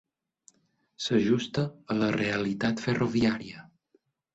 S'ajusta a la realitat ferroviària.